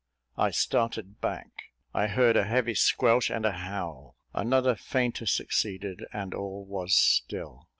I started back I heard a heavy squelch and a howl; another fainter succeeded, and all was still.